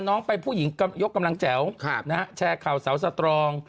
น้องไปผู้หญิงยกกำลังแจ๋วแชร์ข่าวสาวสตรอง